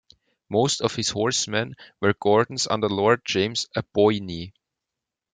Most of his horsemen were Gordons under Lord James Aboyne.